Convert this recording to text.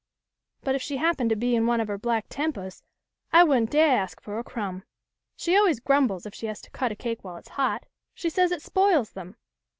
But if she happened to be in one of her black tempahs I wouldn't da'h ask for a crumb. She always grumbles if she has to cut a cake while it's hot. She says it spoils them.